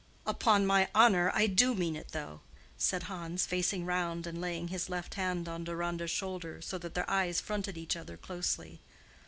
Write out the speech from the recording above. "Upon my honor I do mean it, though," said Hans, facing round and laying his left hand on Deronda's shoulder, so that their eyes fronted each other closely.